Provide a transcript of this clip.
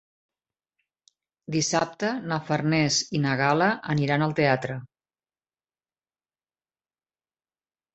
Dissabte na Farners i na Gal·la aniran al teatre.